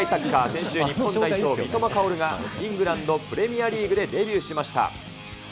先週、日本代表、三笘薫がイングランド・プレミアリーグでデビューしました。